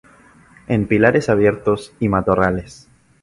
En pinares abiertos y matorrales.